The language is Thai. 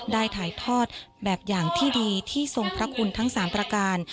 ได้ถ่ายทอดแบบอย่างที่ดีที่ทรงพระคุณทั้ง๓ประการ